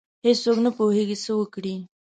هیڅ څوک نه پوهیږي څه وکړي.